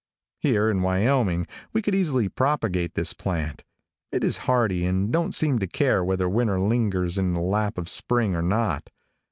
Here, in Wyoming, we could easily propagate this plant. It is hardy and don't seem to care whether winter lingers in the lap of spring or not.